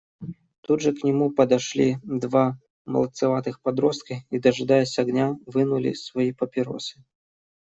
Тут же к нему подошли два молодцеватых подростка и, дожидаясь огня, вынули свои папиросы.